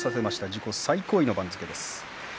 自己最高位の番付です。